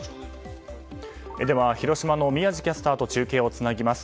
では広島の宮司キャスターと中継を結びます。